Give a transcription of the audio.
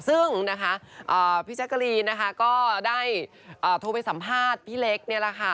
ซึ่งนะคะพี่แจ๊กกะรีนนะคะก็ได้โทรไปสัมภาษณ์พี่เล็กนี่แหละค่ะ